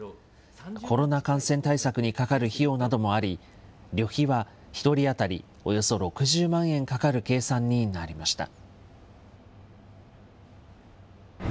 コロナ感染対策にかかる費用などもあり、旅費は１人当たりおよそ６０万円かかる計算になりました。